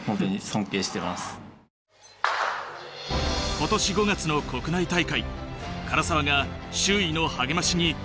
今年５月の国内大会唐澤が周囲の励ましに見事応える。